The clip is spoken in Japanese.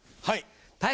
はい。